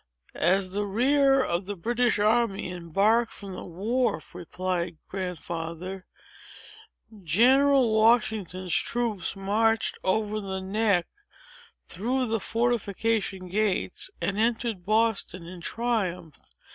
"As the rear of the British army embarked from the wharf," replied Grandfather, "General Washington's troops marched over the neck, through the fortification gates, and entered Boston in triumph.